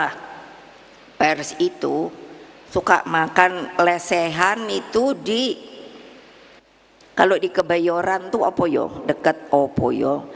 nah pers itu suka makan lesehan itu di kalau di kebayoran itu opoyo dekat opoyo